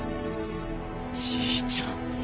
じいちゃん。